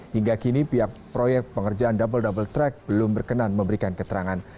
hingga kini pihak proyek pengerjaan double double track belum berkenan memberikan keterangan